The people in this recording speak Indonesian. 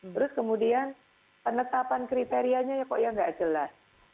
terus kemudian penetapan kriterianya ya kok ya nggak jelas